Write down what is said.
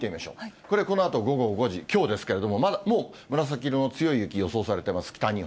これ、このあと午後５時、きょうですけれども、もう紫色の強い雪、予想されてます、北日本。